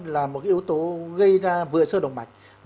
là một yếu tố gây ra vừa sơ động mạch